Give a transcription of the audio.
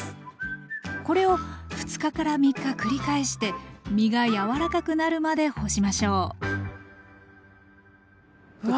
これを２日から３日繰り返して実が柔らかくなるまで干しましょううわ